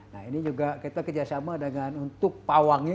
nah ini juga kita kerjasama dengan untuk pawangnya